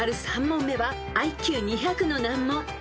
３問目はＩＱ２００の難問］